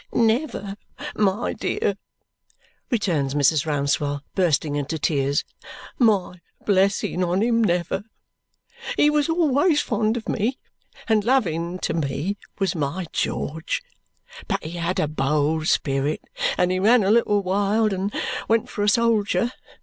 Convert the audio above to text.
"Never, my dear!" returns Mrs. Rouncewell, bursting into tears. "My blessing on him, never! He was always fond of me, and loving to me, was my George! But he had a bold spirit, and he ran a little wild and went for a soldier.